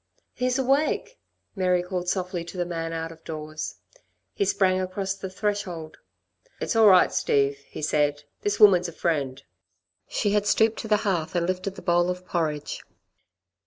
"He's awake!" Mary called softly to the man out of doors. He sprang across the threshold. "It's all right, Steve," he said. "This woman's a friend." She had stooped to the hearth and lifted the bowl of porridge.